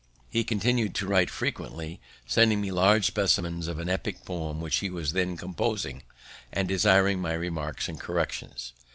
He continued to write frequently, sending me large specimens of an epic poem which he was then composing, and desiring my remarks and corrections.